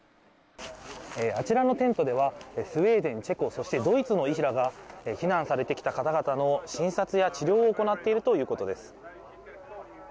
あちらの店舗ではスウェーデンやチェコそしてドイツの医師らが避難されてきた方々の診察や治療を行っているということです。